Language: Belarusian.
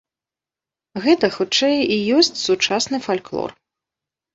Гэта, хутчэй, і ёсць сучасны фальклор.